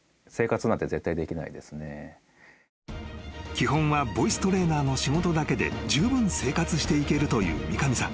［基本はボイストレーナーの仕事だけでじゅうぶん生活していけるという三上さん］